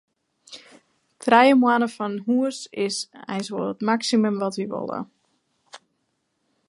Trije moanne fan hús is eins wol it maksimum wat wy wolle.